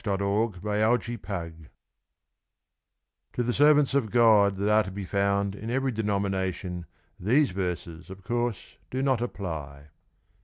A Hyde Park Larrikin * To the servants of God that are to be found in every denomination, these verses, of course, do not apply.